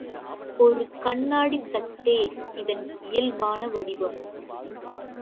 ஒரு கண்ணாடித் தட்டே இதன் இயல்பான வடிவம்.